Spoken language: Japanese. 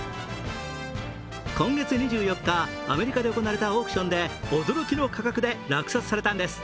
今月２４日、アメリカで行われたオークションで驚きの価格で落札されたんです。